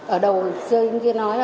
ở đầu xưa anh kia nói là